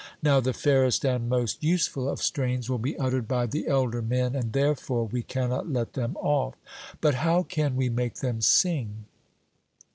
Now the fairest and most useful of strains will be uttered by the elder men, and therefore we cannot let them off. But how can we make them sing?